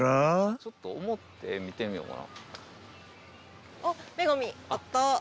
・ちょっと表見てみようかな。